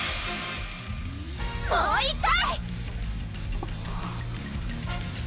もう１回！